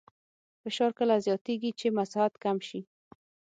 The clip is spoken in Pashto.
فشار کله زیاتېږي چې مساحت کم شي.